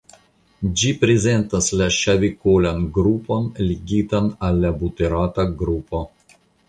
Ĝi prezentas la ŝavikolan grupon ligitan al la buterata grupo.